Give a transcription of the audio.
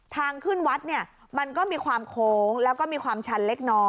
ทางขึ้นวัดเนี่ยมันก็มีความโค้งแล้วก็มีความชันเล็กน้อย